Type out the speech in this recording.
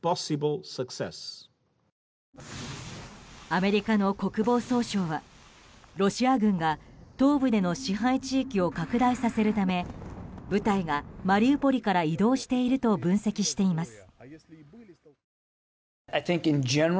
アメリカの国防総省はロシア軍が東部での支配地域を拡大させるため部隊がマリウポリから移動していると分析しています。